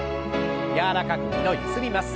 柔らかく２度ゆすります。